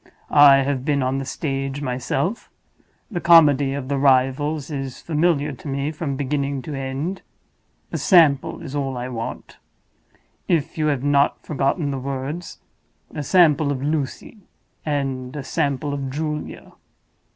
I have been on the stage myself; the comedy of the Rivals is familiar to me from beginning to end. A sample is all I want, if you have not forgotten the words—a sample of 'Lucy,' and a sample of 'Julia.